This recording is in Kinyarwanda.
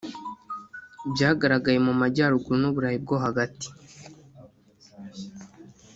byagaragaye mu majyaruguru n’ u Burayi bwo hagati